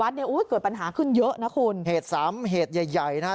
เนี่ยอุ้ยเกิดปัญหาขึ้นเยอะนะคุณเหตุสามเหตุใหญ่ใหญ่นะฮะ